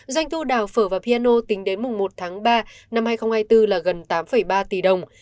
doanh thu đào phở và piano tính đến mùng một tháng ba năm hai nghìn hai mươi bốn là gần tám ba tỷ đồng